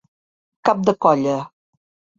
Cap de colla.